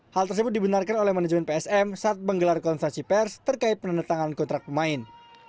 hal tersebut dibenarkan oleh manajemen psm saat menggelar konferensi pers terkait penandatangan kontrak pemain